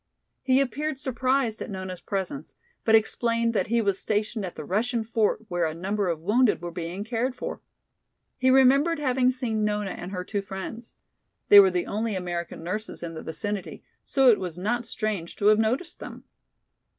He appeared surprised at Nona's presence, but explained that he was stationed at the Russian fort where a number of wounded were being cared for. He remembered having seen Nona and her two friends. They were the only American nurses in the vicinity, so it was not strange to have noticed them.